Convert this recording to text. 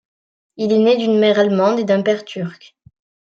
Il est né d'une mère allemande et d'un père turc.